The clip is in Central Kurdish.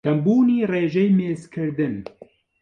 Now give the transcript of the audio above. کەمبوونی رێژەی میزکردن